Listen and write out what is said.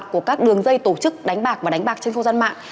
của các đường dây tổ chức đánh bạc và đánh bạc trên khu dân mạng